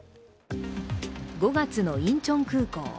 ５月のインチョン空港。